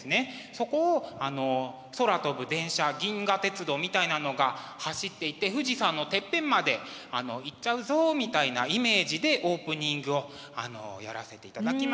そこを空飛ぶ電車銀河鉄道みたいなのが走っていて富士山のてっぺんまで行っちゃうぞみたいなイメージでオープニングをやらせていただきました。